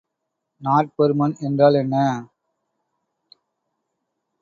நாற்பருமன் என்றால் என்ன?